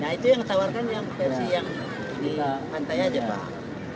nah itu yang ditawarkan yang di pantai aja pak